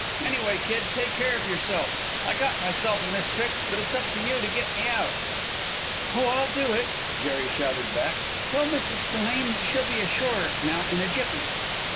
Anyway, kid, take care of yourself! I got myself in this fix, but it's up to you to get me out!" "Oh, I'll do it!" Jerry shouted back. "Tell Mrs. Spillane that she'll be ashore now in a jiffy!"